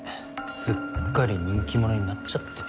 すっかり人気者になっちゃって。